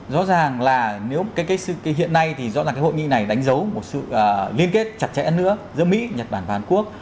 rõ ràng là nếu hiện nay thì rõ ràng cái hội nghị này đánh dấu một sự liên kết chặt chẽ hơn nữa giữa mỹ nhật bản và hàn quốc